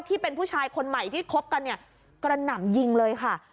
ที่เป็นผู้ชายคนใหม่ที่คบกันเนี่ยกระหน่ำยิงเลยค่ะ